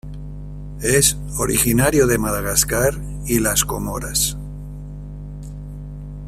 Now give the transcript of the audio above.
Es originario de Madagascar y las Comoras.